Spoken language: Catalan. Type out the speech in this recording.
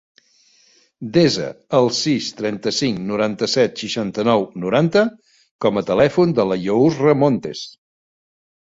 Desa el sis, trenta-cinc, noranta-set, seixanta-nou, noranta com a telèfon de la Yousra Montes.